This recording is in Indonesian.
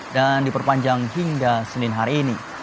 dan diperpanjang hingga senin hari ini